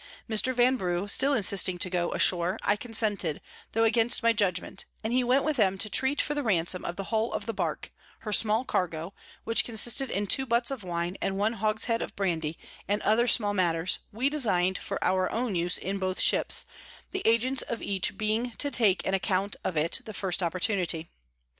Mr. Vanbrugh still insisting to go ashore, I consented, tho against my Judgment, and he went with them to treat for the Ransom of the Hull of the Bark; her small Cargo, which consisted in two Butts of Wine, and one Hogshead of Brandy, and other small matters, we design'd for our own use in both Ships, the Agents of each being to take an account of it the first Opportunity.